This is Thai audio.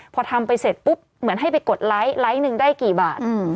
พอทำไปเสร็จปุ๊บเหมือนให้ไปกดไลค์ไลค์หนึ่งได้กี่บาท